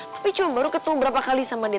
papi cuma baru ketemu beberapa kali sama dia